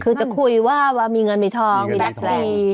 คือจะคุยว่ามีเงินในทองมีแรกรี